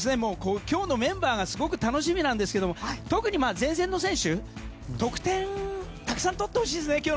今日のメンバーがすごく楽しみなんですが特に前線の選手得点たくさん取ってほしいですね